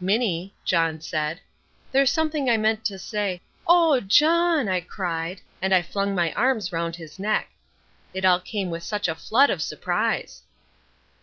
"Minnie," John said, "there's something I meant to say " "Oh, John," I cried, and I flung my arms round his neck. It all came with such a flood of surprise.